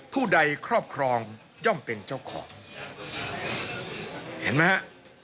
ผู้ใดครอบครองย่อมเป็นเจ้าของเห็นไหมฮะ